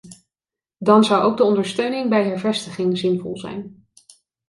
Dan zou ook de ondersteuning bij hervestiging zinvol zijn.